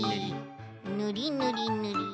ぬりぬりぬり。